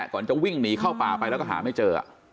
ก่อนจะวิ่งหนีเข้าป่าไปแล้วก็หาไม่เจอ